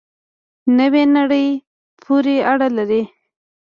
نوې نړۍ پورې اړه لري.